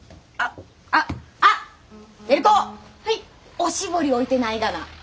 おしぼり置いてないがな。